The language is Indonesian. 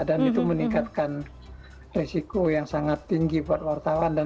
dan itu meningkatkan risiko yang sangat tinggi buat wartawan